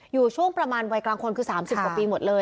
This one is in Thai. อยู่ช่วงประมาณวัยกลางคนคือ๓๐กว่าปีหมดเลย